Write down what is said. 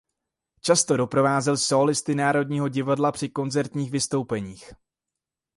Často doprovázel sólisty Národního divadla při koncertních vystoupeních.